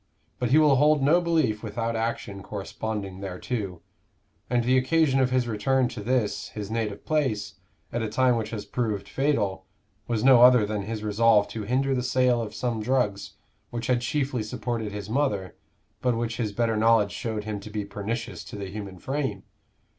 But he will hold no belief without action corresponding thereto; and the occasion of his return to this, his native place, at a time which has proved fatal, was no other than his resolve to hinder the sale of some drugs, which had chiefly supported his mother, but which his better knowledge showed him to be pernicious to the human frame.